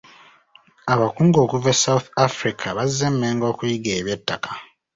Abakungu okuva e South Africa bazze e Mengo okuyiga eby'ettaka.